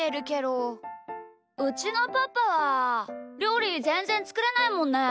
うちのパパはりょうりぜんぜんつくれないもんね？